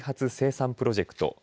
・生産プロジェクト